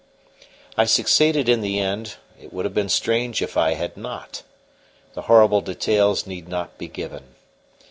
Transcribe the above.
I succeeded in the end; it would have been strange if I had not. The horrible details need not be given.